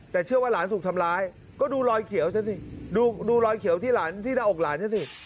แต่เชื่อว่าหลานถูกทำร้ายก็ดูรอยเขียวซะสิดูรอยเขียวที่หลาน